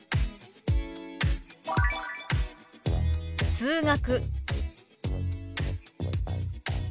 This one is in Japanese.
「数学」。